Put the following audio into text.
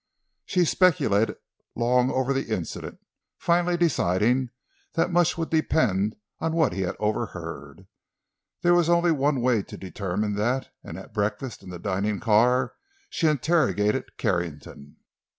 She speculated long over the incident, finally deciding that much would depend upon what he had overheard. There was only one way to determine that, and at breakfast in the dining car she interrogated Carrington.